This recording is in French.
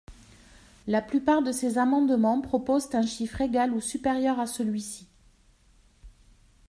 La plupart de ces amendements proposent un chiffre égal ou supérieur à celui-ci.